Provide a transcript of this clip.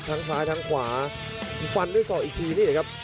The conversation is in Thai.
ทั้งซ้ายทั้งขวาฟันด้วยศอกอีกทีนี่แหละครับ